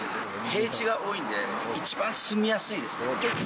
平地が多いんで、一番住みやすいですね。